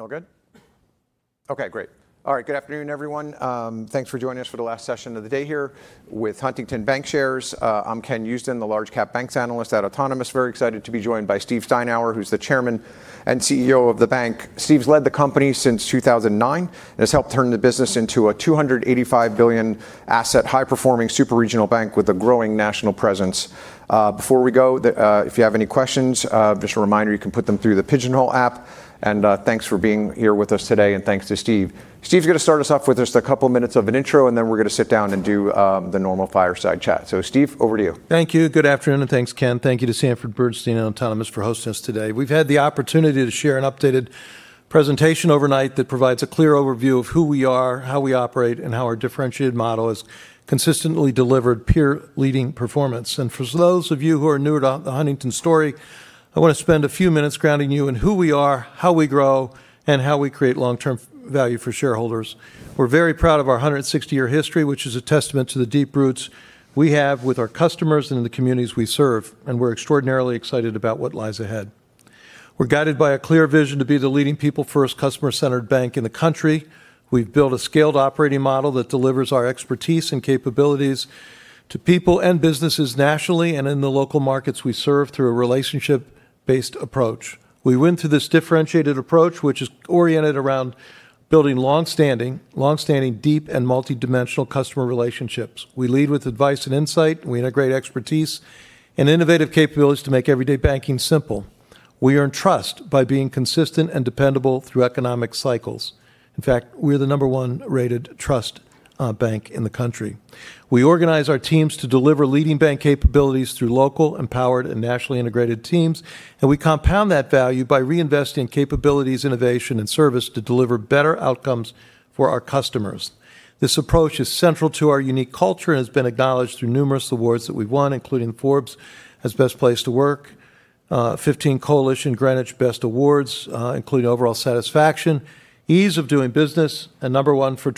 All good? Okay, great. All right. Good afternoon, everyone. Thanks for joining us for the last session of the day here with Huntington Bancshares. I'm Ken Usdin, the large-cap banks analyst at Autonomous. Very excited to be joined by Steve Steinour, who's the Chairman and CEO of the bank. Steve's led the company since 2009, and has helped turn the business into a $285 billion asset, high-performing, super-regional bank with a growing national presence. Before we go, if you have any questions, just a reminder, you can put them through the Pigeonhole app. Thanks for being here with us today, and thanks to Steve. Steve's going to start us off with just a couple of minutes of an intro, and then we're going to sit down and do the normal fireside chat. Steve, over to you. Thank you. Good afternoon, and thanks, Ken. Thank you to Sanford C. Bernstein and Autonomous for hosting us today. We've had the opportunity to share an updated presentation overnight that provides a clear overview of who we are, how we operate, and how our differentiated model has consistently delivered peer-leading performance. For those of you who are newer to the Huntington story, I want to spend a few minutes grounding you in who we are, how we grow, and how we create long-term value for shareholders. We're very proud of our 160-year history, which is a testament to the deep roots we have with our customers and in the communities we serve, and we're extraordinarily excited about what lies ahead. We're guided by a clear vision to be the leading people-first, customer-centered bank in the country. We've built a scaled operating model that delivers our expertise and capabilities to people and businesses nationally and in the local markets we serve through a relationship-based approach. We went through this differentiated approach, which is oriented around building longstanding, deep, and multidimensional customer relationships. We lead with advice and insight, and we integrate expertise and innovative capabilities to make everyday banking simple. We earn trust by being consistent and dependable through economic cycles. In fact, we're the number one-rated trust bank in the country. We organize our teams to deliver leading bank capabilities through local, empowered, and nationally integrated teams, and we compound that value by reinvesting capabilities, innovation, and service to deliver better outcomes for our customers. This approach is central to our unique culture and has been acknowledged through numerous awards that we've won, including Forbes Best Place to Work, 15 Coalition Greenwich Best Awards, including Overall Satisfaction, Ease of Doing Business, and number one for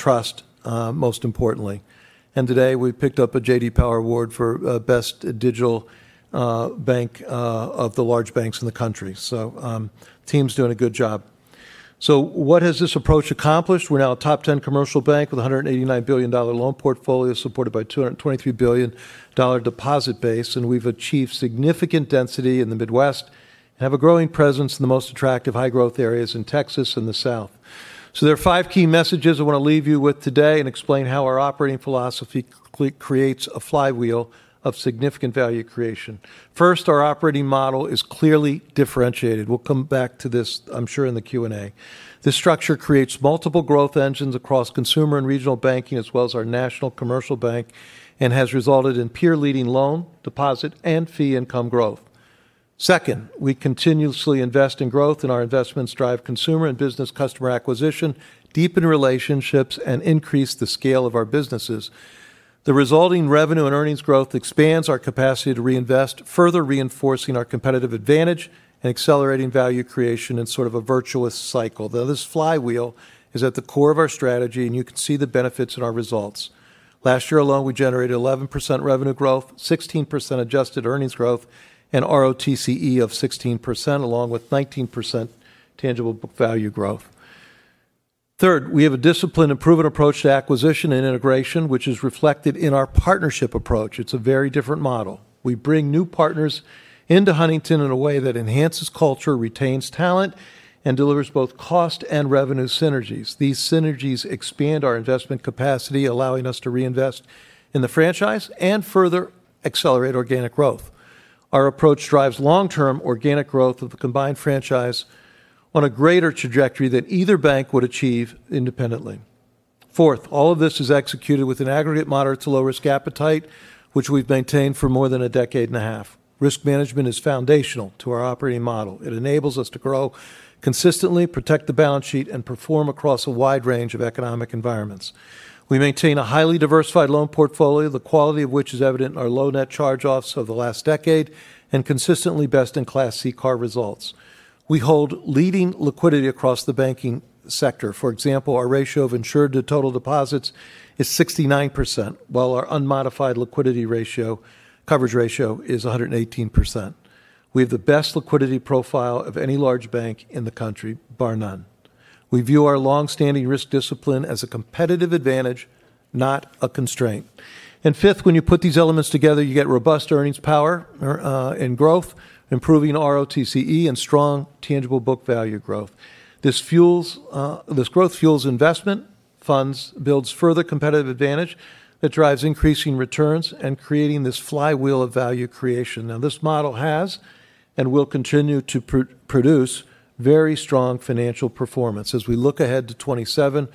Trust, most importantly. Today, we picked up a J.D. Power Award for Best Digital Bank of the large banks in the country. The team's doing a good job. What has this approach accomplished? We're now a top 10 commercial bank with $189 billion loan portfolio supported by $223 billion deposit base, and we've achieved significant density in the Midwest and have a growing presence in the most attractive high-growth areas in Texas and the South. There are five key messages I want to leave you with today and explain how our operating philosophy creates a flywheel of significant value creation. First, our operating model is clearly differentiated. We'll come back to this, I'm sure, in the Q&A. This structure creates multiple growth engines across consumer and regional banking, as well as our national commercial bank, and has resulted in peer-leading loan, deposit, and fee income growth. Second, we continuously invest in growth, and our investments drive consumer and business customer acquisition, deepen relationships, and increase the scale of our businesses. The resulting revenue and earnings growth expands our capacity to reinvest, further reinforcing our competitive advantage and accelerating value creation in sort of a virtuous cycle. Though this flywheel is at the core of our strategy, and you can see the benefits in our results. Last year alone, we generated 11% revenue growth, 16% adjusted earnings growth, and ROTCE of 16%, along with 19% tangible book value growth. Third, we have a disciplined and proven approach to acquisition and integration, which is reflected in our partnership approach. It's a very different model. We bring new partners into Huntington in a way that enhances culture, retains talent, and delivers both cost and revenue synergies. These synergies expand our investment capacity, allowing us to reinvest in the franchise and further accelerate organic growth. Our approach drives long-term organic growth of the combined franchise on a greater trajectory than either bank would achieve independently. Fourth, all of this is executed with an aggregate moderate to low-risk appetite, which we've maintained for more than a decade and a half. Risk management is foundational to our operating model. It enables us to grow consistently, protect the balance sheet, and perform across a wide range of economic environments. We maintain a highly diversified loan portfolio, the quality of which is evident in our low net charge-offs over the last decade, and consistently best-in-class CCAR results. We hold leading liquidity across the banking sector. For example, our ratio of insured to total deposits is 69%, while our unmodified liquidity coverage ratio is 118%. We have the best liquidity profile of any large bank in the country, bar none. We view our longstanding risk discipline as a competitive advantage, not a constraint. Fifth, when you put these elements together, you get robust earnings power and growth, improving ROTCE, and strong tangible book value growth. This growth fuels investment funds, builds further competitive advantage that drives increasing returns, and creating this flywheel of value creation. Now, this model has and will continue to produce very strong financial performance. As we look ahead to 2027,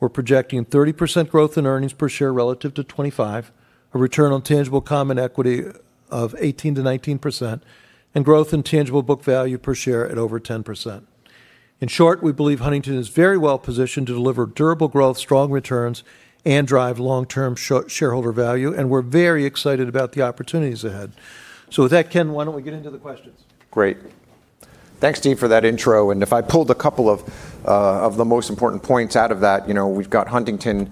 we're projecting 30% growth in earnings per share relative to 2025, a return on tangible common equity of 18%-19%, and growth in tangible book value per share at over 10%. In short, we believe Huntington is very well-positioned to deliver durable growth, strong returns, and drive long-term shareholder value, and we're very excited about the opportunities ahead. With that, Ken, why don't we get into the questions? Great. Thanks, Steve, for that intro. If I pulled a couple of the most important points out of that, we've got Huntington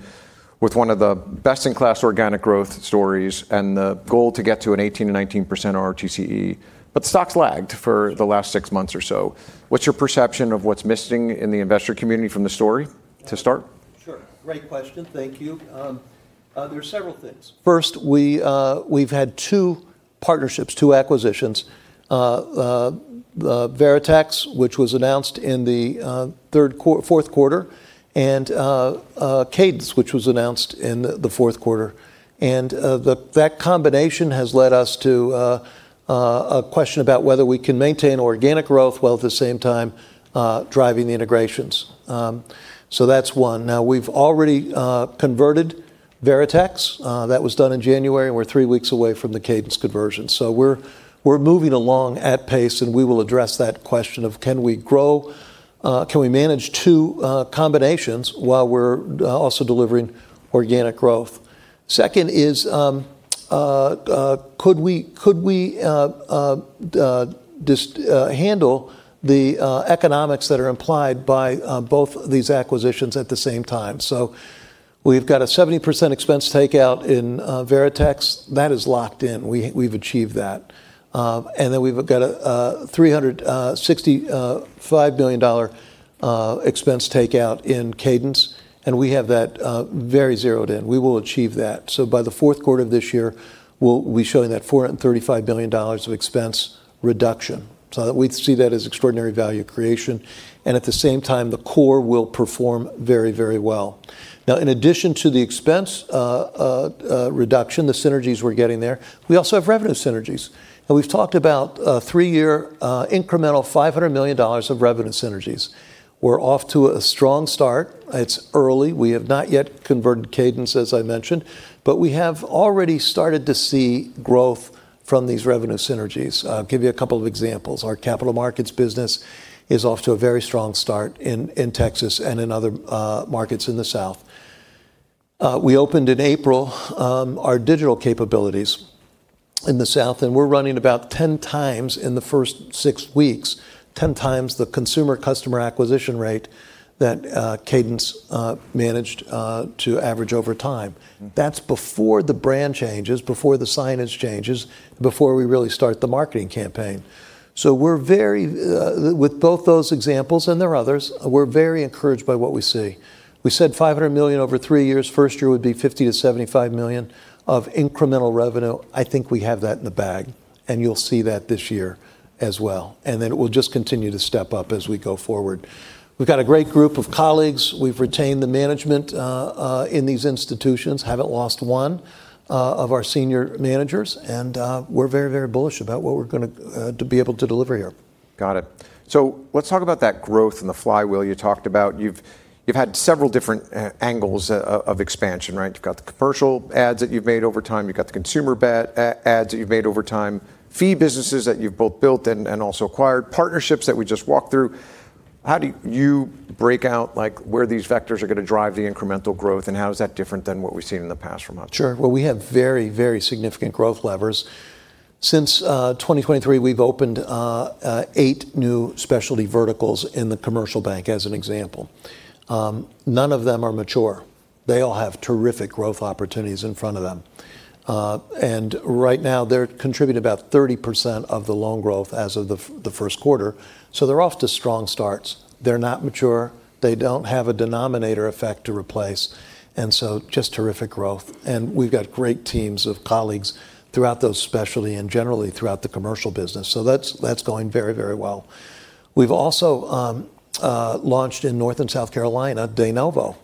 with one of the best-in-class organic growth stories and the goal to get to an 18%-19% ROTCE. The stock's lagged for the last six months or so. What's your perception of what's missing in the investor community from the story, to start? Sure. Great question. Thank you. There's several things. First, we've had two partnerships, two acquisitions. Veritex, which was announced in the fourth quarter, and Cadence, which was announced in the fourth quarter. That combination has led us to a question about whether we can maintain organic growth while at the same time driving the integrations. That's one. Now, we've already converted Veritex. That was done in January, and we're three weeks away from the Cadence conversion. We're moving along at pace, and we will address that question of can we manage two combinations while we're also delivering organic growth? Second is could we just handle the economics that are implied by both these acquisitions at the same time? We've got a 70% expense takeout in Veritex. That is locked in. We've achieved that. We've got a $365 million expense takeout in Cadence, and we have that very zeroed in. We will achieve that. By the fourth quarter of this year, we'll be showing that $435 million of expense reduction. We see that as extraordinary value creation, and at the same time, the core will perform very well. In addition to the expense reduction, the synergies we're getting there, we also have revenue synergies. We've talked about a three-year incremental $500 million of revenue synergies. We're off to a strong start. It's early. We have not yet converted Cadence, as I mentioned. We have already started to see growth from these revenue synergies. I'll give you a couple of examples. Our capital markets business is off to a very strong start in Texas and in other markets in the South. We opened in April our digital capabilities in the South, and we're running about 10 times in the first six weeks, 10 times the consumer customer acquisition rate that Cadence managed to average over time. That's before the brand changes, before the signage changes, before we really start the marketing campaign. With both those examples, and there are others, we're very encouraged by what we see. We said $500 million over three years. First year would be $50 million-$75 million of incremental revenue. I think we have that in the bag, and you'll see that this year as well. It will just continue to step up as we go forward. We've got a great group of colleagues. We've retained the management in these institutions, haven't lost one of our senior managers. We're very bullish about what we're going to be able to deliver here. Got it. Let's talk about that growth and the flywheel you talked about. You've had several different angles of expansion, right? You've got the commercial ads that you've made over time. You've got the consumer ads that you've made over time, fee businesses that you've both built and also acquired, partnerships that we just walked through. How do you break out where these vectors are going to drive the incremental growth, and how is that different than what we've seen in the past from Huntington? Sure. We have very significant growth levers. Since 2023, we've opened eight new specialty verticals in the commercial bank, as an example. None of them are mature. They all have terrific growth opportunities in front of them. Right now, they contribute about 30% of the loan growth as of the first quarter. They're off to strong starts. They're not mature. They don't have a denominator effect to replace, just terrific growth. We've got great teams of colleagues throughout those specialty and generally throughout the commercial business. That's going very well. We've also launched in North and South Carolina de novo.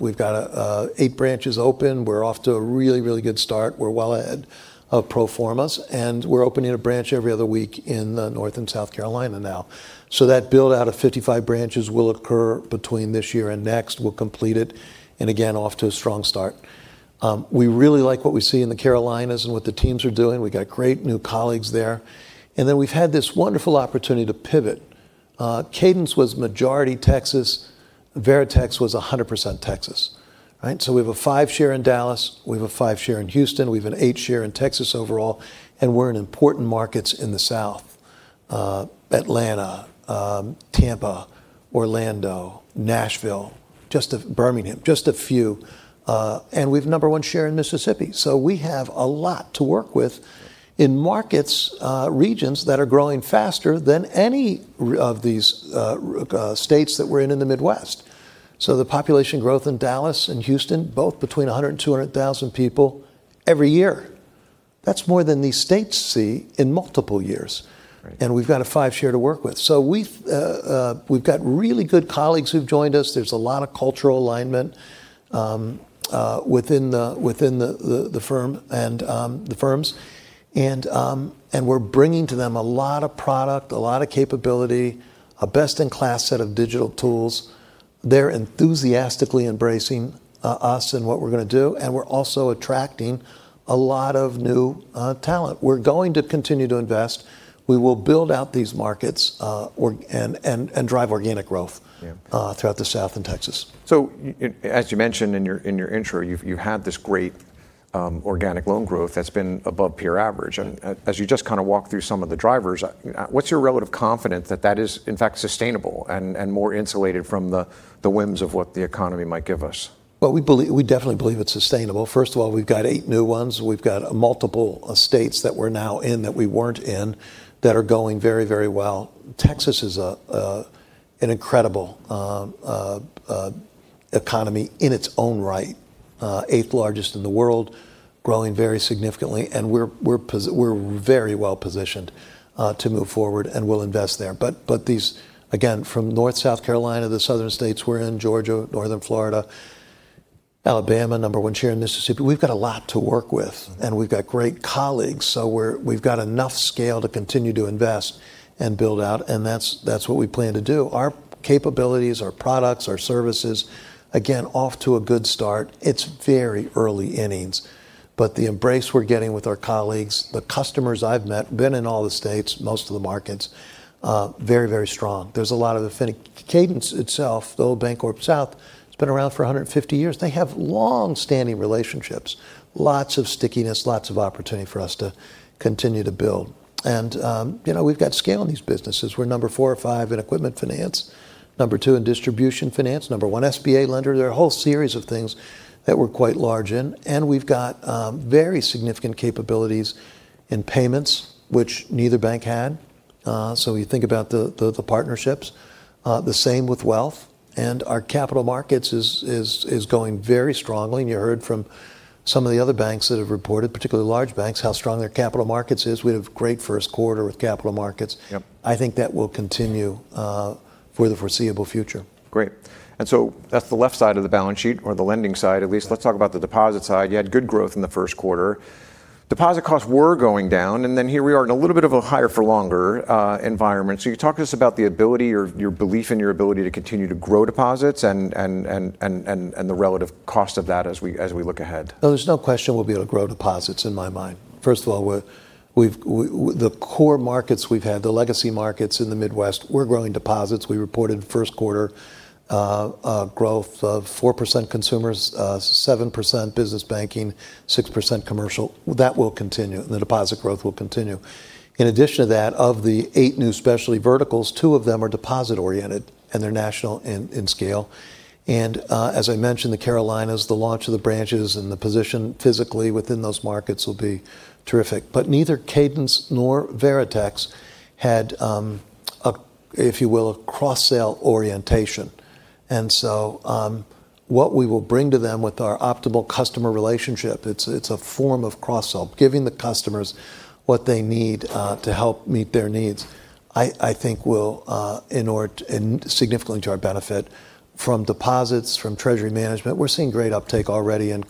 We've got eight branches open. We're off to a really good start. We're well ahead of pro formas, we're opening a branch every other week in North and South Carolina now. That build out of 55 branches will occur between this year and next. We'll complete it, again, off to a strong start. We really like what we see in the Carolinas and what the teams are doing. We've got great new colleagues there. We've had this wonderful opportunity to pivot. Cadence was majority Texas. Veritex was 100% Texas. Right? We have a five share in Dallas, we have a five share in Houston, we have an eight share in Texas overall, we're in important markets in the South, Atlanta, Tampa, Orlando, Nashville, Birmingham, just a few. We've number one share in Mississippi. We have a lot to work with in markets, regions that are growing faster than any of these states that we're in in the Midwest. The population growth in Dallas and Houston, both between 100,000 and 200,000 people every year. That's more than these states see in multiple years. Right. We've got a five share to work with. We've got really good colleagues who've joined us. There's a lot of cultural alignment within the firms. We're bringing to them a lot of product, a lot of capability, a best-in-class set of digital tools. They're enthusiastically embracing us and what we're going to do, and we're also attracting a lot of new talent. We're going to continue to invest. We will build out these markets and drive organic growth. Yeah throughout the South and Texas. As you mentioned in your intro, you've had this great organic loan growth that's been above peer average. As you just walked through some of the drivers, what's your relative confidence that that is, in fact, sustainable and more insulated from the whims of what the economy might give us? Well, we definitely believe it's sustainable. First of all, we've got eight new ones. We've got multiple states that we're now in that we weren't in, that are going very well. Texas is an incredible economy in its own right. Eighth largest in the world, growing very significantly, and we're very well positioned to move forward, and we'll invest there. These, again, from North South Carolina, the southern states we're in, Georgia, northern Florida, Alabama, number one share in Mississippi. We've got a lot to work with, and we've got great colleagues, so we've got enough scale to continue to invest and build out, and that's what we plan to do. Our capabilities, our products, our services, again, off to a good start. It's very early innings, but the embrace we're getting with our colleagues, the customers I've met, been in all the states, most of the markets, very strong. Cadence itself, the old BancorpSouth, has been around for 150 years. They have longstanding relationships, lots of stickiness, lots of opportunity for us to continue to build. We've got scale in these businesses. We're number four or five in equipment finance, number two in distribution finance, number one SBA lender. There are a whole series of things that we're quite large in, and we've got very significant capabilities in payments, which neither bank had. You think about the partnerships. The same with wealth. Our capital markets is going very strongly, and you heard from some of the other banks that have reported, particularly large banks, how strong their capital markets is. We had a great first quarter with capital markets. Yep. I think that will continue for the foreseeable future. Great. That's the left side of the balance sheet, or the lending side, at least. Let's talk about the deposit side. You had good growth in the first quarter. Deposit costs were going down, here we are in a little bit of a higher for longer environment. Can you talk to us about the ability or your belief in your ability to continue to grow deposits, and the relative cost of that as we look ahead? Oh, there's no question we'll be able to grow deposits in my mind. First of all, the core markets we've had, the legacy markets in the Midwest, we're growing deposits. We reported first quarter growth of 4% consumers, 7% business banking, 6% commercial. That will continue. The deposit growth will continue. In addition to that, of the eight new specialty verticals, two of them are deposit oriented, and they're national in scale. As I mentioned, the Carolinas, the launch of the branches, and the position physically within those markets will be terrific. Neither Cadence nor Veritex had, if you will, a cross-sale orientation. What we will bring to them with our Optimal Customer Relationship, it's a form of cross-sell, giving the customers what they need to help meet their needs, I think will significantly to our benefit from deposits, from treasury management. We're seeing great uptake already in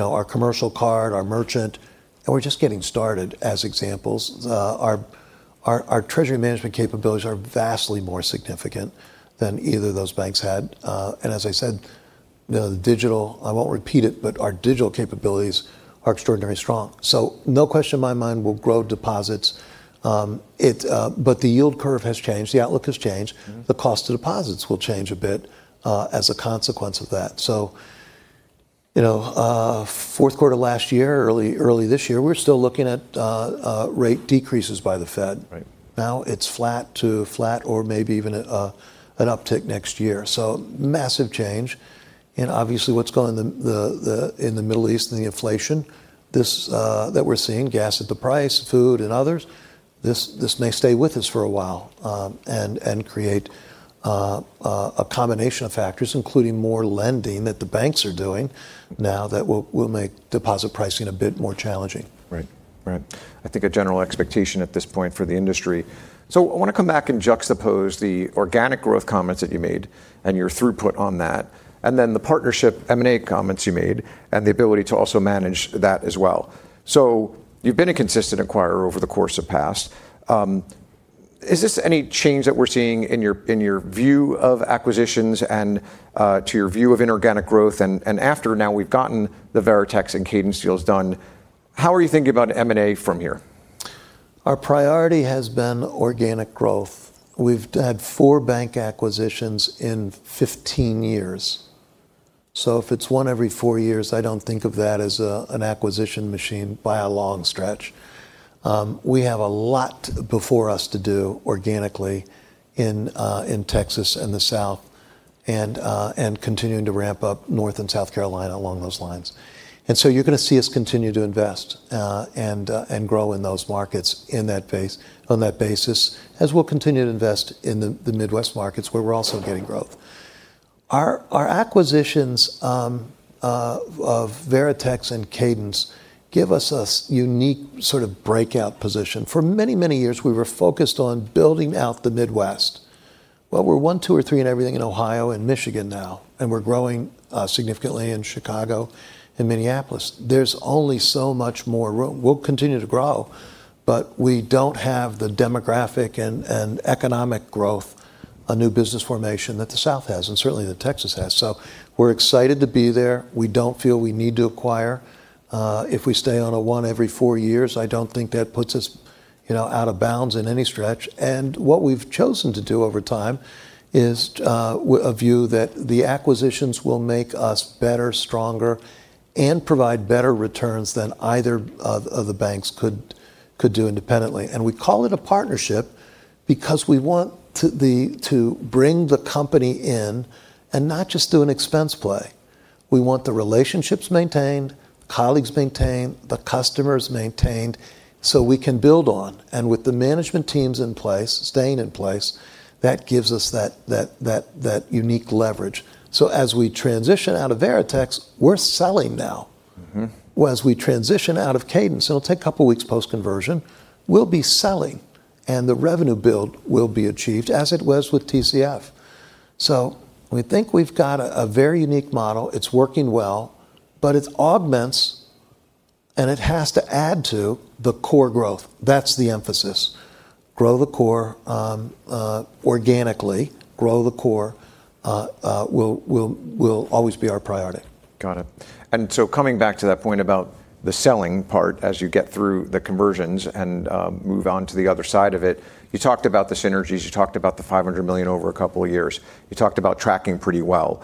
our commercial card, our merchant. We're just getting started as examples. Our treasury management capabilities are vastly more significant than either of those banks had. As I said, I won't repeat it. Our digital capabilities are extraordinarily strong. No question in my mind we'll grow deposits. The yield curve has changed. The outlook has changed. The cost of deposits will change a bit as a consequence of that. Fourth quarter last year, early this year, we're still looking at rate decreases by the Fed. Right. It's flat to flat or maybe even an uptick next year. Massive change in obviously what's going in the Middle East and the inflation that we're seeing, gas at the price, food, and others. This may stay with us for a while, and create a combination of factors, including more lending that the banks are doing now that will make deposit pricing a bit more challenging. Right. I think a general expectation at this point for the industry. I want to come back and juxtapose the organic growth comments that you made and your throughput on that, and then the partnership M&A comments you made, and the ability to also manage that as well. You've been a consistent acquirer over the course of past. Is this any change that we're seeing in your view of acquisitions and to your view of inorganic growth? After now we've gotten the Veritex and Cadence deals done, how are you thinking about M&A from here? Our priority has been organic growth. We've had four bank acquisitions in 15 years. If it's one every four years, I don't think of that as an acquisition machine by a long stretch. We have a lot before us to do organically in Texas and the South, and continuing to ramp up North and South Carolina along those lines. You're going to see us continue to invest and grow in those markets on that basis as we'll continue to invest in the Midwest markets, where we're also getting growth. Our acquisitions of Veritex and Cadence give us a unique sort of breakout position. For many years, we were focused on building out the Midwest. Well, we're one, two, or three in everything in Ohio and Michigan now, and we're growing significantly in Chicago and Minneapolis. There's only so much more room. We'll continue to grow, we don't have the demographic and economic growth a new business formation that the South has, and certainly that Texas has. We're excited to be there. We don't feel we need to acquire. If we stay on a one every four years, I don't think that puts us out of bounds in any stretch. What we've chosen to do over time is a view that the acquisitions will make us better, stronger, and provide better returns than either of the banks could do independently. We call it a partnership because we want to bring the company in and not just do an expense play. We want the relationships maintained, colleagues maintained, the customers maintained, so we can build on. With the management teams in place, staying in place, that gives us that unique leverage. As we transition out of Veritex, we're selling now. As we transition out of Cadence, it'll take a couple of weeks post-conversion, we'll be selling, and the revenue build will be achieved as it was with TCF. We think we've got a very unique model. It's working well, but it augments and it has to add to the core growth. That's the emphasis. Grow the core organically, grow the core will always be our priority. Got it. Coming back to that point about the selling part, as you get through the conversions and move on to the other side of it, you talked about the synergies, you talked about the $500 million over a couple of years. You talked about tracking pretty well.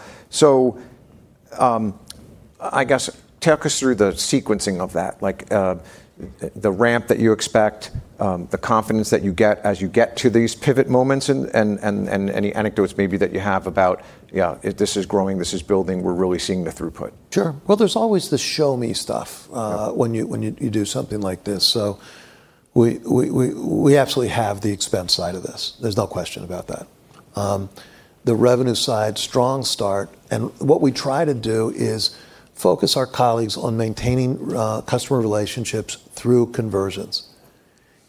I guess, take us through the sequencing of that, the ramp that you expect, the confidence that you get as you get to these pivot moments, and any anecdotes maybe that you have about, yeah, this is growing, this is building, we're really seeing the throughput. Sure. Well, there's always the show-me stuff. Yeah when you do something like this. We absolutely have the expense side of this. There's no question about that. The revenue side, strong start, what we try to do is focus our colleagues on maintaining customer relationships through conversions.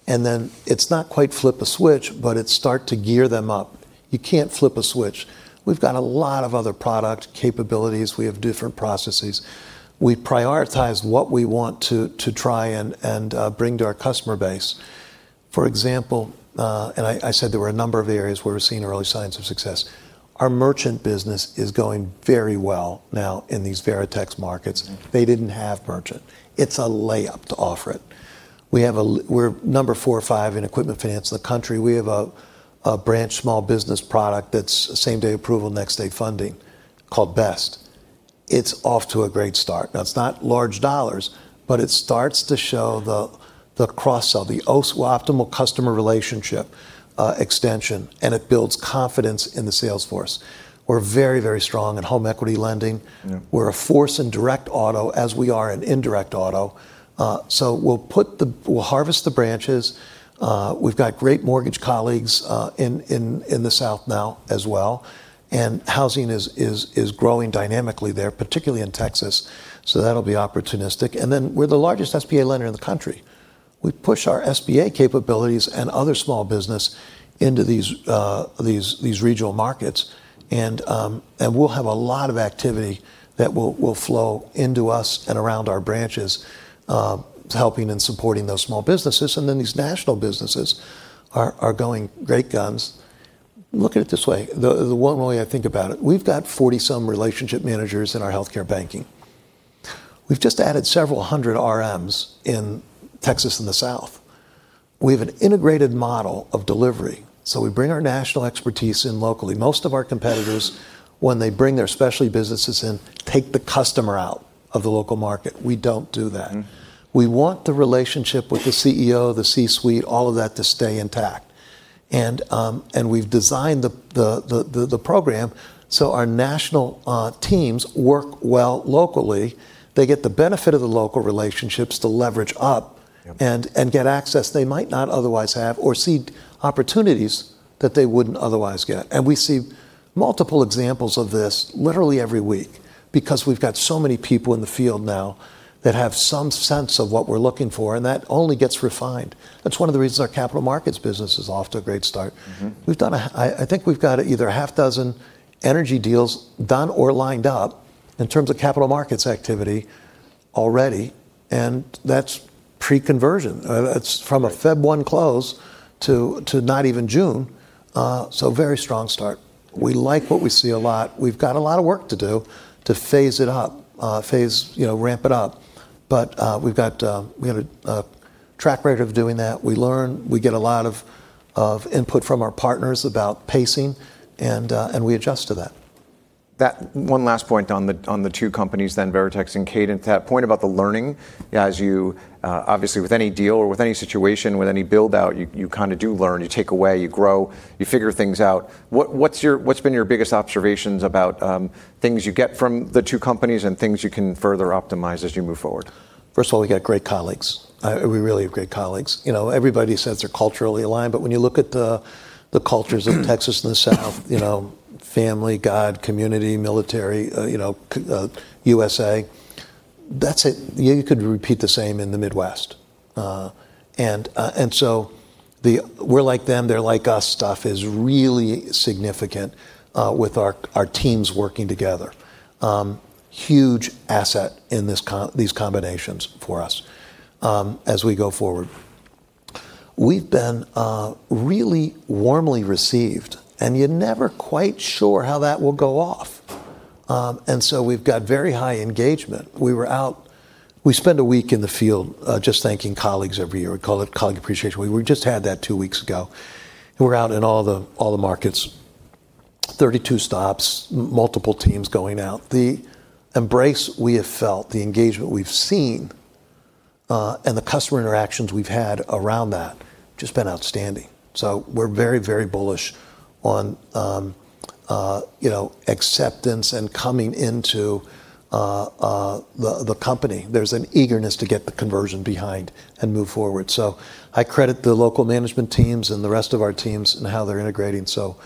It's not quite flip a switch, but it's start to gear them up. You can't flip a switch. We've got a lot of other product capabilities. We have different processes. We prioritize what we want to try and bring to our customer base. For example, I said there were a number of areas where we're seeing early signs of success. Our merchant business is going very well now in these Veritex markets. They didn't have merchant. It's a layup to offer it. We're number four or five in equipment finance in the country. We have a branch small business product that's same-day approval, next-day funding called BEST. It's off to a great start. Now, it's not large dollars, but it starts to show the cross-sell, the optimal customer relationship extension, and it builds confidence in the sales force. We're very, very strong in home equity lending. Yeah. We're a force in direct auto as we are in indirect auto. We'll harvest the branches. We've got great mortgage colleagues in the South now as well, and housing is growing dynamically there, particularly in Texas, so that'll be opportunistic. We're the largest SBA lender in the country. We push our SBA capabilities and other small business into these regional markets, and we'll have a lot of activity that will flow into us and around our branches, helping and supporting those small businesses. These national businesses are going great guns. Look at it this way, the one way I think about it, we've got 40-some relationship managers in our healthcare banking. We've just added several hundred RMs in Texas and the South. We have an integrated model of delivery, so we bring our national expertise in locally. Most of our competitors, when they bring their specialty businesses in, take the customer out of the local market. We don't do that. We want the relationship with the CEO, the C-suite, all of that to stay intact. We've designed the program so our national teams work well locally. They get the benefit of the local relationships to leverage up. Yep Get access they might not otherwise have, or see opportunities that they wouldn't otherwise get. We see multiple examples of this literally every week because we've got so many people in the field now that have some sense of what we're looking for, and that only gets refined. That's one of the reasons our capital markets business is off to a great start. I think we've got either a half dozen energy deals done or lined up in terms of capital markets activity already. That's pre-conversion. That's from a February 1 close to not even June. Very strong start. We like what we see a lot. We've got a lot of work to do to phase it up, ramp it up. We've got a track record of doing that. We learn. We get a lot of input from our partners about pacing, and we adjust to that. One last point on the two companies, Veritex and Cadence Bank. That point about the learning, as you obviously with any deal or with any situation, with any build-out, you kind of do learn, you take away, you grow, you figure things out. What's been your biggest observations about things you get from the two companies and things you can further optimize as you move forward? First of all, we got great colleagues. We really have great colleagues. Everybody says they're culturally aligned, but when you look at the cultures of Texas and the South, family, God, community, military, USA. You could repeat the same in the Midwest. The we're like them, they're like us stuff is really significant with our teams working together. Huge asset in these combinations for us as we go forward. We've been really warmly received, and you're never quite sure how that will go off. We've got very high engagement. We spend a week in the field just thanking colleagues every year. We call it colleague appreciation week. We just had that two weeks ago, and we're out in all the markets, 32 stops, multiple teams going out. The embrace we have felt, the engagement we've seen, and the customer interactions we've had around that, just been outstanding. We're very, very bullish on acceptance and coming into the company. There's an eagerness to get the conversion behind and move forward. I credit the local management teams and the rest of our teams in how they're integrating so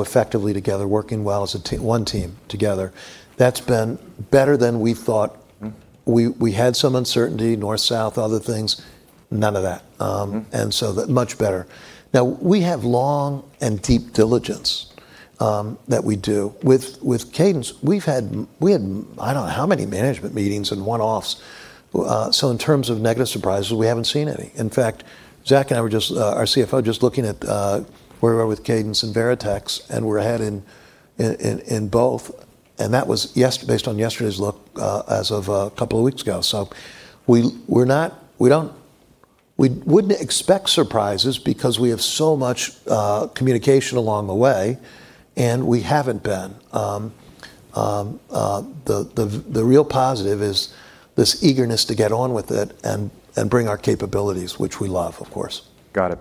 effectively together, working well as one team together. That's been better than we thought. We had some uncertainty, North, South, other things. None of that. So much better. Now, we have long and deep diligence that we do. With Cadence, we had I don't know how many management meetings and one-offs. In terms of negative surprises, we haven't seen any. In fact, Zach and I, our CFO, just looking at where we are with Cadence and Veritex, and we're ahead in both, and that was based on yesterday's look as of a couple of weeks ago. We wouldn't expect surprises because we have so much communication along the way, and we haven't been. The real positive is this eagerness to get on with it and bring our capabilities, which we love, of course. Got it.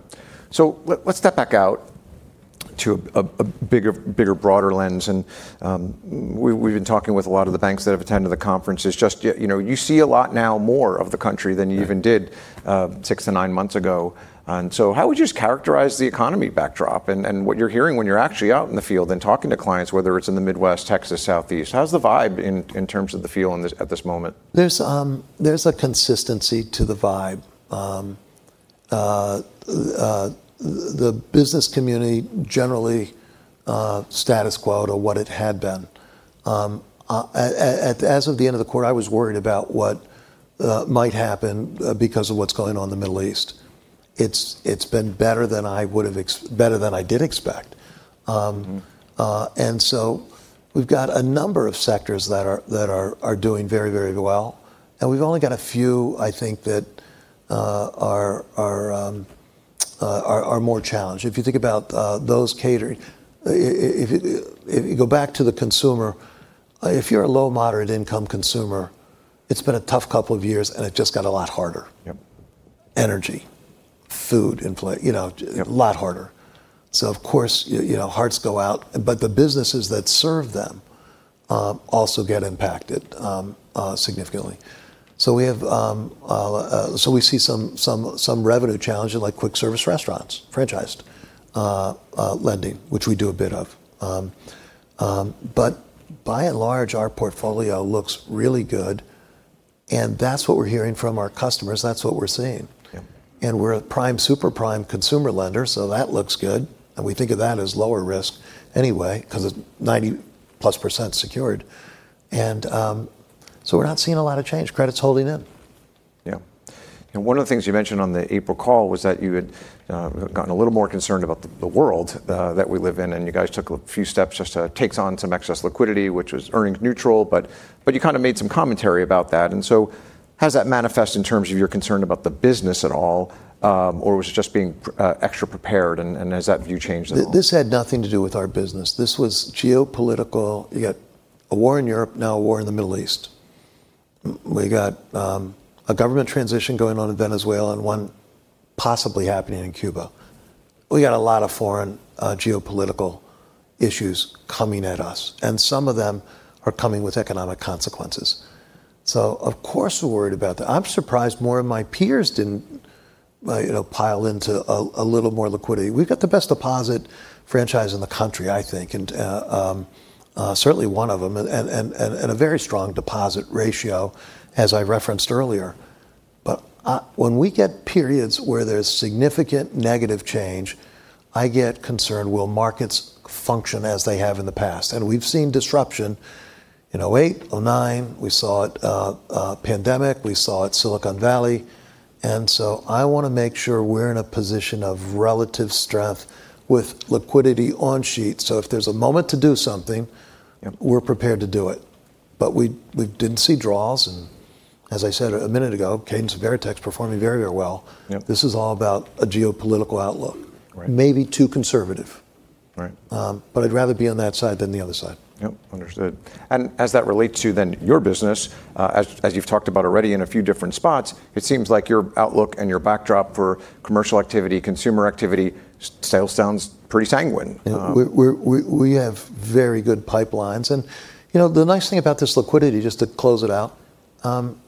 Let's step back out to a bigger, broader lens and we've been talking with a lot of the banks that have attended the conferences. You see a lot now more of the country than you even did six to nine months ago. How would you just characterize the economy backdrop and what you're hearing when you're actually out in the field and talking to clients, whether it's in the Midwest, Texas, Southeast? How's the vibe in terms of the feel at this moment? There's a consistency to the vibe. The business community generally status quo to what it had been. As of the end of the quarter, I was worried about what might happen because of what's going on in the Middle East. It's been better than I did expect. We've got a number of sectors that are doing very well, and we've only got a few, I think, that are more challenged. If you go back to the consumer, if you're a low moderate income consumer, it's been a tough couple of years, and it just got a lot harder. Yep. Energy, food inflation, a lot harder. Of course, hearts go out. The businesses that serve them also get impacted significantly. We see some revenue challenges like quick service restaurants, franchised lending, which we do a bit of. By and large, our portfolio looks really good, and that's what we're hearing from our customers. That's what we're seeing. Yeah. We're a prime, super prime consumer lender, so that looks good, and we think of that as lower risk anyway because it's 90%+ secured. We're not seeing a lot of change. Credit's holding in. Yeah. One of the things you mentioned on the April call was that you had gotten a little more concerned about the world that we live in, and you guys took a few steps just to take on some excess liquidity, which was earnings neutral, but you kind of made some commentary about that. Has that manifested in terms of your concern about the business at all? Or was it just being extra prepared, and has that view changed at all? This had nothing to do with our business. This was geopolitical. You got a war in Europe now, a war in the Middle East. We got a government transition going on in Venezuela and one possibly happening in Cuba. We got a lot of foreign geopolitical issues coming at us, and some of them are coming with economic consequences. Of course we're worried about that. I'm surprised more of my peers didn't pile into a little more liquidity. We've got the best deposit franchise in the country, I think, and certainly one of them, and a very strong deposit ratio as I referenced earlier. When we get periods where there's significant negative change, I get concerned will markets function as they have in the past? We've seen disruption in 2008, 2009. We saw it pandemic. We saw it Silicon Valley. I want to make sure we're in a position of relative strength with liquidity on sheet. If there's a moment to do something. Yep We're prepared to do it. We didn't see draws, and as I said a minute ago, Cadence and Veritex performing very well. Yep. This is all about a geopolitical outlook. Right. Maybe too conservative. Right. I'd rather be on that side than the other side. Yep. Understood. As that relates to then your business, as you've talked about already in a few different spots, it seems like your outlook and your backdrop for commercial activity, consumer activity still sounds pretty sanguine. Yeah. We have very good pipelines. The nice thing about this liquidity, just to close it out,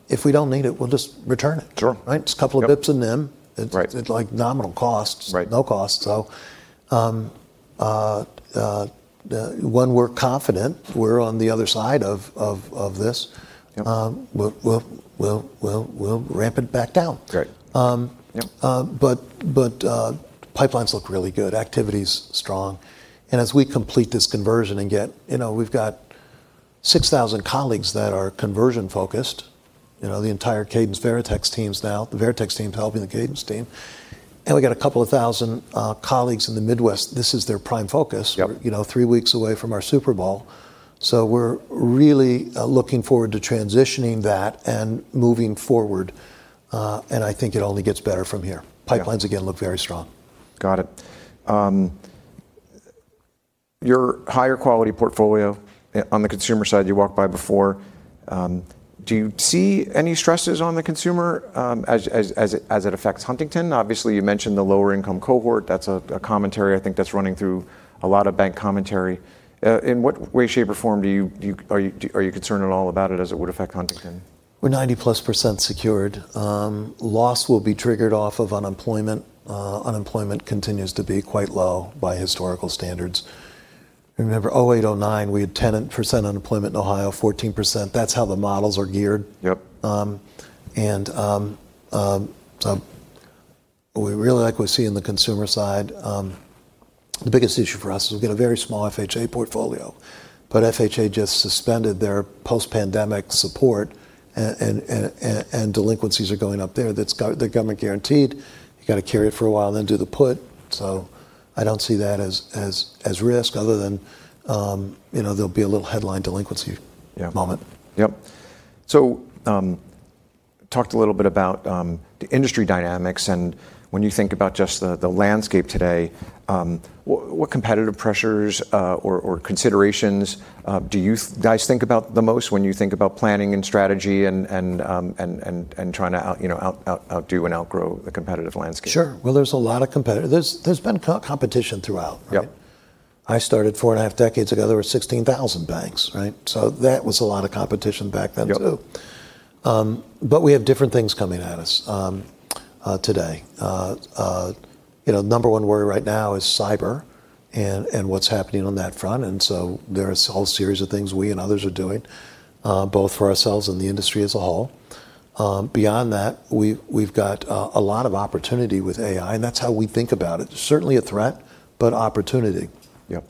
if we don't need it, we'll just return it. Sure. Right? It's a couple of dips in them. Right. It's like nominal costs. Right. No cost. One, we're confident we're on the other side of this. Yep. We'll ramp it back down. Great. Yep. Pipelines look really good. Activity's strong. As we complete this conversion we've got 6,000 colleagues that are conversion focused. The Veritex team's helping the Cadence team, and we got a couple of thousand colleagues in the Midwest. This is their prime focus. Yep. We're three weeks away from our Super Bowl, so we're really looking forward to transitioning that and moving forward. I think it only gets better from here. Yeah. Pipelines, again, look very strong. Got it. Your higher quality portfolio on the consumer side you walked by before, do you see any stresses on the consumer as it affects Huntington? Obviously, you mentioned the lower income cohort. That's a commentary I think that's running through a lot of bank commentary. In what way, shape, or form are you concerned at all about it as it would affect Huntington? We're 90%+ secured. Loss will be triggered off of unemployment. Unemployment continues to be quite low by historical standards. Remember 2008, 2009, we had 10% unemployment in Ohio, 14%. That's how the models are geared. Yep. What we really like we see in the consumer side, the biggest issue for us is we've got a very small FHA portfolio, but FHA just suspended their post-pandemic support, and delinquencies are going up there. That's government guaranteed. You got to carry it for a while, then do the put. I don't see that as risk other than there'll be a little headline delinquency moment. Yep. Talked a little bit about the industry dynamics and when you think about just the landscape today, what competitive pressures or considerations do you guys think about the most when you think about planning and strategy and trying to outdo and outgrow the competitive landscape? Sure. Well, there's been competition throughout, right? Yep. I started four and a half decades ago, there were 16,000 banks, right? That was a lot of competition back then too. Yep. We have different things coming at us today. Number one worry right now is cyber and what's happening on that front. There's a whole series of things we and others are doing, both for ourselves and the industry as a whole. Beyond that, we've got a lot of opportunity with AI. That's how we think about it. Certainly a threat, but opportunity. Yep.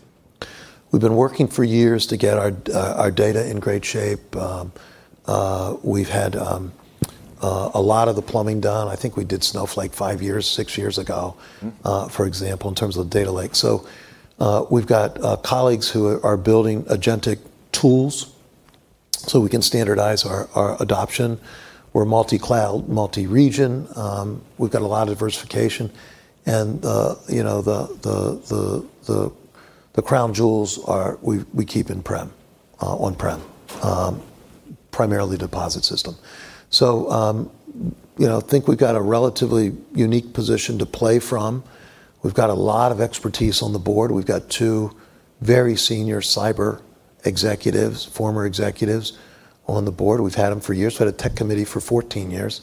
We've been working for years to get our data in great shape. We've had a lot of the plumbing done. I think we did Snowflake five years, six years ago. For example, in terms of the data lake. We've got colleagues who are building agentic tools, so we can standardize our adoption. We're multi-cloud, multi-region. We've got a lot of diversification and the crown jewels we keep on-prem, primarily deposit system. Think we've got a relatively unique position to play from. We've got a lot of expertise on the board. We've got two very senior cyber executives, former executives on the board. We've had them for years. We've had a tech committee for 14 years.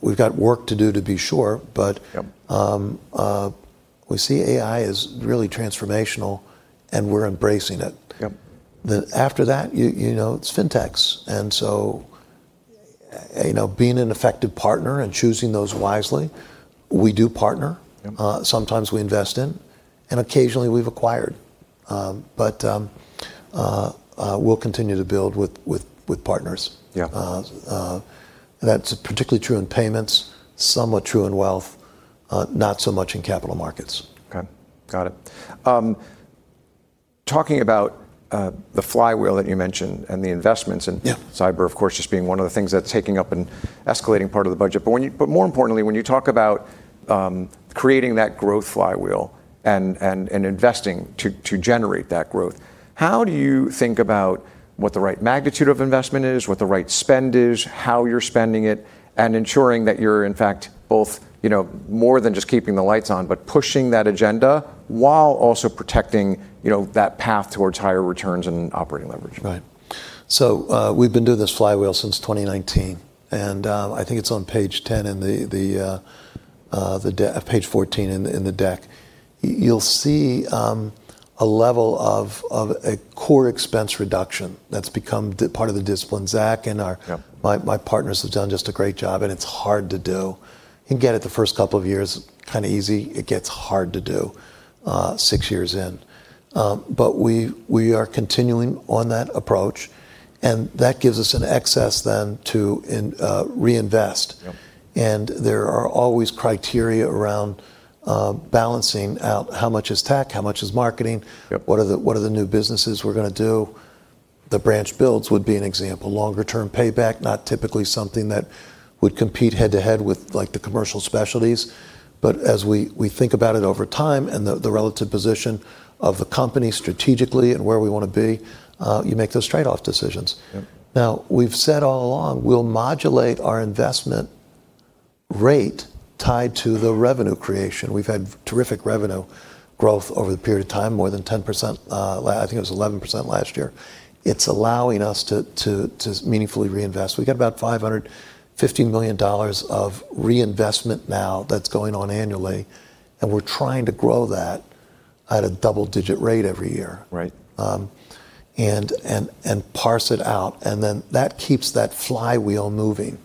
We've got work to do, to be sure. Yep we see AI as really transformational, and we're embracing it. Yep. After that, it's fintechs. Being an effective partner and choosing those wisely, we do partner. Yep. Sometimes we invest in, and occasionally we've acquired. We'll continue to build with partners. Yep. That's particularly true in payments, somewhat true in wealth, not so much in capital markets. Okay. Got it. Talking about the flywheel that you mentioned and the investments in- Yeah cyber, of course, just being one of the things that's taking up and escalating part of the budget. More importantly, when you talk about creating that growth flywheel and investing to generate that growth, how do you think about what the right magnitude of investment is, what the right spend is, how you're spending it, and ensuring that you're, in fact, both more than just keeping the lights on, but pushing that agenda while also protecting that path towards higher returns and operating leverage? Right. We've been doing this flywheel since 2019, and I think it's on page 14 in the deck. You'll see a level of a core expense reduction that's become part of the discipline. Yep my partners have done just a great job, and it's hard to do. Again, the first couple of years, kind of easy. It gets hard to do six years in. We are continuing on that approach, and that gives us an excess then to reinvest. Yep. There are always criteria around balancing out how much is tech, how much is marketing. Yep. What are the new businesses we're going to do? The branch builds would be an example. Longer term payback, not typically something that would compete head-to-head with the commercial specialties. As we think about it over time and the relative position of the company strategically and where we want to be, you make those trade-off decisions. Yep. We've said all along, we'll modulate our investment rate tied to the revenue creation. We've had terrific revenue growth over the period of time, more than 10%. I think it was 11% last year. It's allowing us to meaningfully reinvest. We've got about $515 million of reinvestment now that's going on annually, and we're trying to grow that at a double-digit rate every year. Right. Parse it out, and then that keeps that flywheel moving.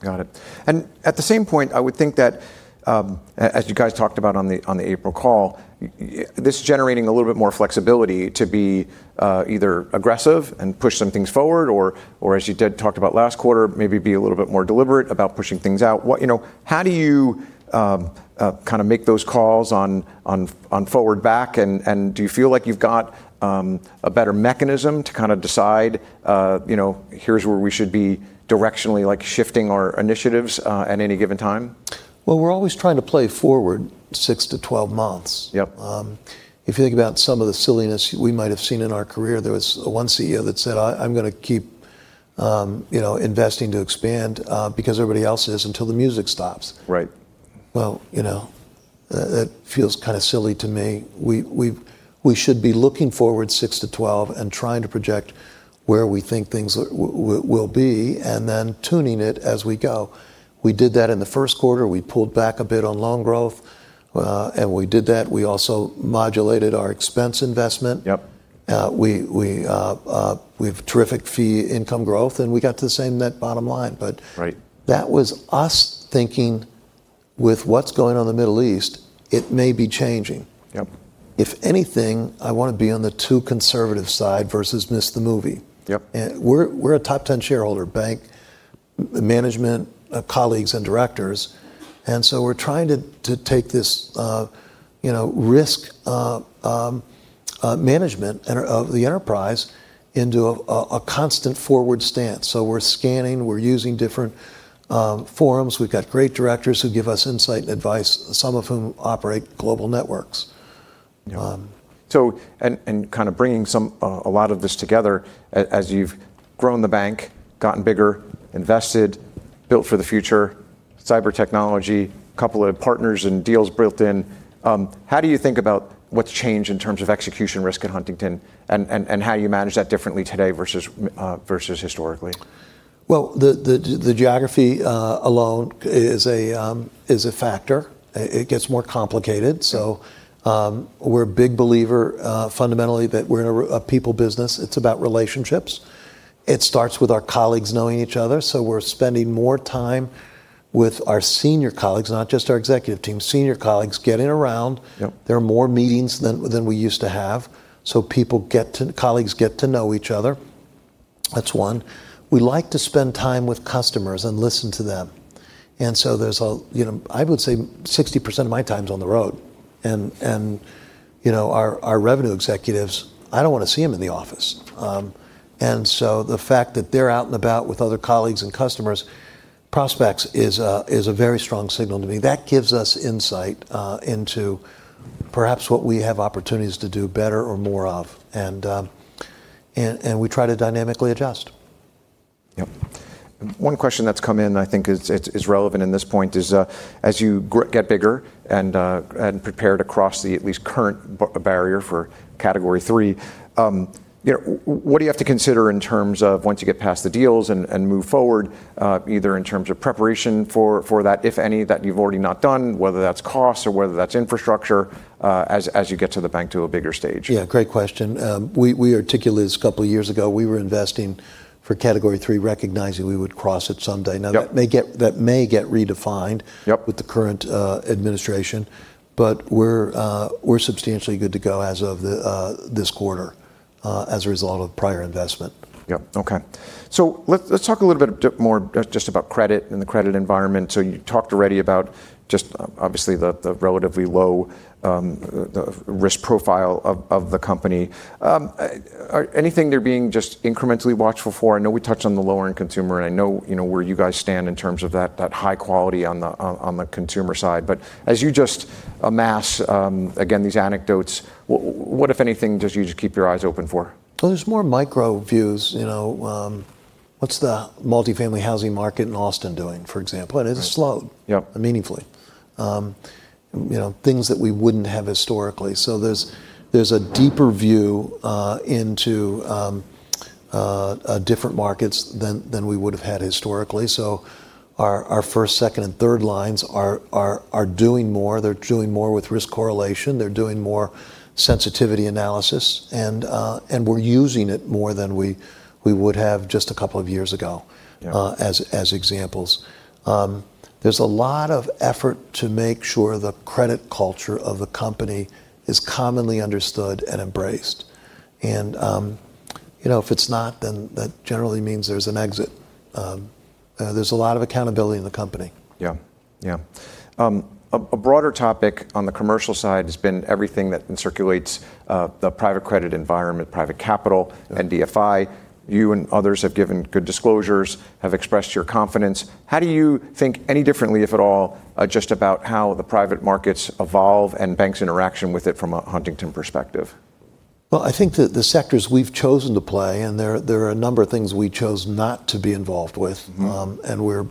Got it. At the same point, I would think that, as you guys talked about on the April call, this generating a little bit more flexibility to be either aggressive and push some things forward, or as you talked about last quarter, maybe be a little bit more deliberate about pushing things out. How do you make those calls on forward back, and do you feel like you've got a better mechanism to decide, here's where we should be directionally shifting our initiatives at any given time? Well, we're always trying to play forward 6 to 12 months. Yep. If you think about some of the silliness we might have seen in our career, there was one CEO that said, "I'm going to keep investing to expand because everybody else is until the music stops. Right. Well, that feels kind of silly to me. We should be looking forward 6 to 12 and trying to project where we think things will be, and then tuning it as we go. We did that in the first quarter. We pulled back a bit on loan growth, and we did that. We also modulated our expense investment. Yep. We have terrific fee income growth, and we got to the same net bottom line. Right that was us thinking with what's going on in the Middle East, it may be changing. Yep. If anything, I want to be on the too conservative side versus miss the movie. Yep. We're a top 10 shareholder bank, management colleagues and directors, and so we're trying to take this risk management of the enterprise into a constant forward stance. We're scanning, we're using different forums. We've got great directors who give us insight and advice, some of whom operate global networks. Yeah. Kind of bringing a lot of this together, as you've grown the bank, gotten bigger, invested, built for the future, cyber technology, couple of partners and deals built in, how do you think about what's changed in terms of execution risk at Huntington, and how you manage that differently today versus historically? Well, the geography alone is a factor. It gets more complicated. We're a big believer, fundamentally, that we're a people business. It's about relationships. It starts with our colleagues knowing each other, so we're spending more time with our senior colleagues, not just our executive team, senior colleagues, getting around. Yep. There are more meetings than we used to have, so colleagues get to know each other. That's one. We like to spend time with customers and listen to them. There's, I would say 60% of my time's on the road, and our revenue executives, I don't want to see them in the office. The fact that they're out and about with other colleagues and customers, prospects, is a very strong signal to me. That gives us insight into perhaps what we have opportunities to do better or more of, and we try to dynamically adjust. Yep. One question that's come in, and I think is relevant in this point is, as you get bigger and prepare to cross the at least current barrier for Category III, what do you have to consider in terms of once you get past the deals and move forward, either in terms of preparation for that, if any, that you've already not done, whether that's cost or whether that's infrastructure, as you get to the bank to a bigger stage? Yeah, great question. We articulated this a couple of years ago. We were investing for Category III, recognizing we would cross it someday. Yep. Now, that may get redefined. Yep With the current administration, we're substantially good to go as of this quarter, as a result of prior investment. Yep. Okay. Let's talk a little bit more just about credit and the credit environment. You talked already about just, obviously, the relatively low risk profile of the company. Anything there being just incrementally watchful for? I know we touched on the lower end consumer, and I know where you guys stand in terms of that high quality on the consumer side. As you just amass, again, these anecdotes, what, if anything, do you just keep your eyes open for? Well, there's more micro views. What's the multifamily housing market in Austin doing, for example? It's slow. Yep. Meaningfully. Things that we wouldn't have historically. There's a deeper view into different markets than we would've had historically. Our first, second, and third lines are doing more. They're doing more with risk correlation. They're doing more sensitivity analysis, and we're using it more than we would have just a couple of years ago. Yeah as examples. There's a lot of effort to make sure the credit culture of a company is commonly understood and embraced. If it's not, then that generally means there's an exit. There's a lot of accountability in the company. Yeah. A broader topic on the commercial side has been everything that circulates the private credit environment, private capital, NBFI. You and others have given good disclosures, have expressed your confidence. How do you think any differently, if at all, just about how the private markets evolve and banks' interaction with it from a Huntington perspective? Well, I think that the sectors we've chosen to play, and there are a number of things we chose not to be involved with. We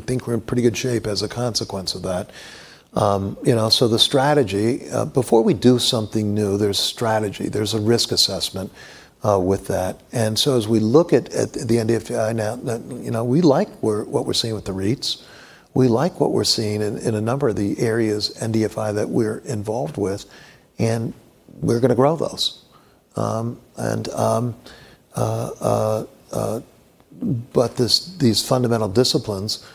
think we're in pretty good shape as a consequence of that. The strategy, before we do something new, there's strategy, there's a risk assessment with that. As we look at the NBFI now, we like what we're seeing with the REITs. We like what we're seeing in a number of the areas, NBFI, that we're involved with, and we're going to grow those. But these fundamental disciplines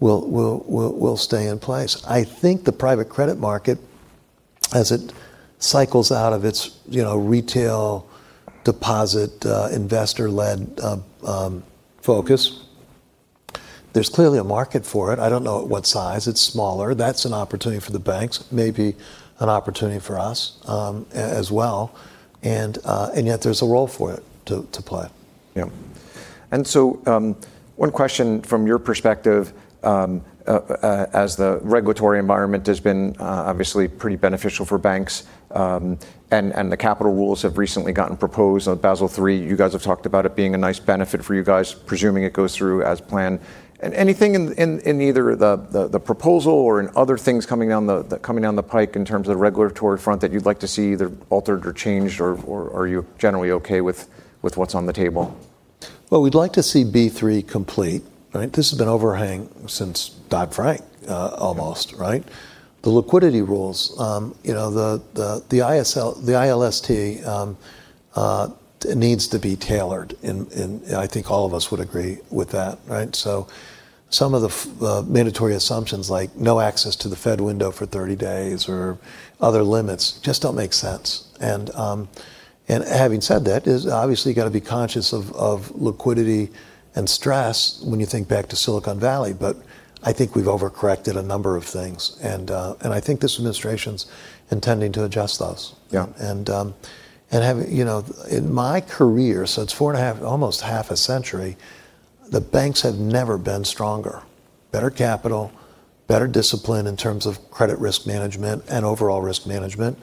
will stay in place. I think the private credit market, as it cycles out of its retail deposit, investor-led focus, there's clearly a market for it. I don't know at what size. It's smaller. That's an opportunity for the banks, maybe an opportunity for us as well. Yet there's a role for it to play. Yeah. One question from your perspective, as the regulatory environment has been obviously pretty beneficial for banks, and the capital rules have recently gotten proposed on Basel III. You guys have talked about it being a nice benefit for you guys, presuming it goes through as planned. Anything in either the proposal or in other things coming down the pike in terms of the regulatory front that you'd like to see either altered or changed, or are you generally okay with what's on the table? Well, we'd like to see B3 complete, right? This has been overhang since Dodd-Frank, almost, right? The liquidity rules, the ILST needs to be tailored. I think all of us would agree with that, right? Some of the mandatory assumptions like no access to the Fed window for 30 days or other limits just don't make sense. Having said that, it's obviously got to be conscious of liquidity and stress when you think back to Silicon Valley. I think we've over-corrected a number of things, and I think this administration's intending to adjust those. Yeah. In my career, so it's four and a half, almost half a century, the banks have never been stronger. Better capital, better discipline in terms of credit risk management and overall risk management.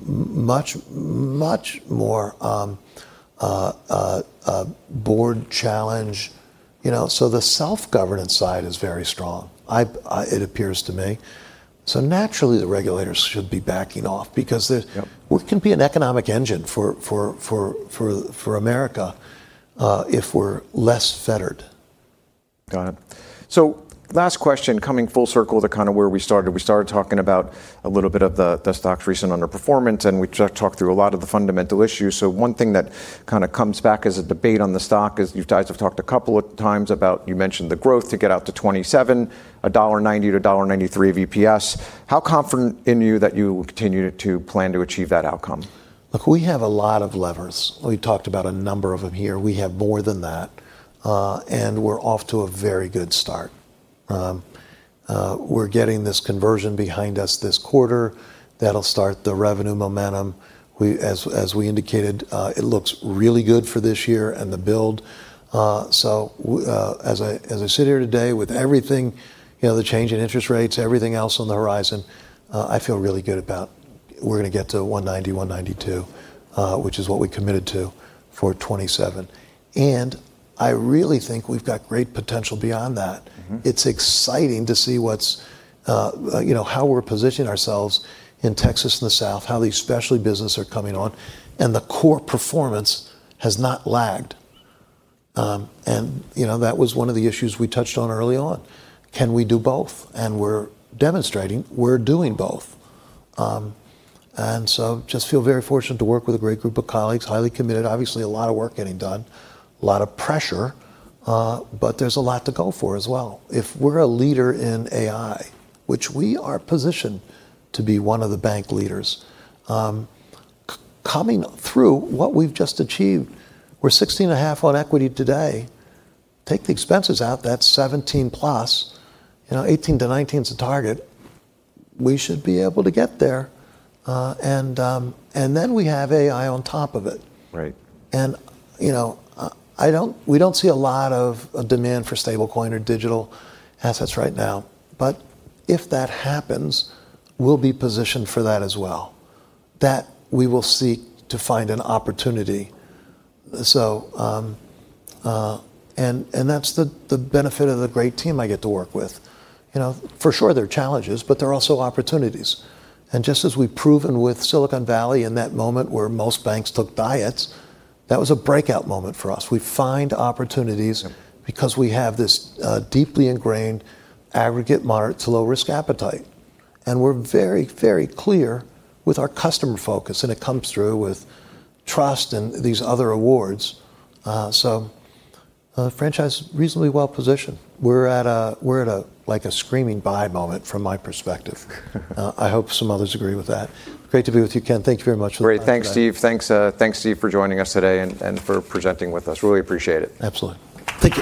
Much more board challenge. The self-governance side is very strong, it appears to me. Naturally the regulators should be backing off. Yep we can be an economic engine for America, if we're less fettered. Got it. Last question, coming full circle to kind of where we started. We started talking about a little bit of the stock's recent underperformance, and we talked through a lot of the fundamental issues. One thing that kind of comes back as a debate on the stock is you guys have talked a couple of times about, you mentioned the growth to get out to 2027, a $1.90-$1.93 EPS. How confident are you that you will continue to plan to achieve that outcome? Look, we have a lot of levers. We talked about a number of them here. We have more than that. We're off to a very good start. We're getting this conversion behind us this quarter. That'll start the revenue momentum. As we indicated, it looks really good for this year and the build. As I sit here today with everything, the change in interest rates, everything else on the horizon, I feel really good about we're going to get to $1.90, $1.92, which is what we committed to for 2027. I really think we've got great potential beyond that. It's exciting to see how we're positioning ourselves in Texas and the South, how the specialty business are coming on, and the core performance has not lagged. That was one of the issues we touched on early on. Can we do both? We're demonstrating we're doing both. Just feel very fortunate to work with a great group of colleagues, highly committed. Obviously, a lot of work getting done, a lot of pressure, but there's a lot to go for as well. If we're a leader in AI, which we are positioned to be one of the bank leaders, coming through what we've just achieved, we're 16.5% on equity today. Take the expenses out, that's 17%+. 18%-19% the target. We should be able to get there. Then we have AI on top of it. Right. We don't see a lot of demand for stablecoin or digital assets right now. If that happens, we'll be positioned for that as well. That we will seek to find an opportunity. That's the benefit of the great team I get to work with. For sure, there are challenges, but there are also opportunities. Just as we've proven with Silicon Valley in that moment where most banks took dips, that was a breakout moment for us. We find opportunities. Yeah because we have this deeply ingrained aggregate moderate to low risk appetite. We're very clear with our customer focus, and it comes through with trust and these other awards. The franchise is reasonably well-positioned. We're at a screaming buy moment from my perspective. I hope some others agree with that. Great to be with you, Ken. Thank you very much for the time today. Great. Thanks, Steve. Thanks, Steve, for joining us today and for presenting with us. Really appreciate it. Absolutely. Thank you